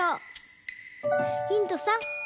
ヒント３。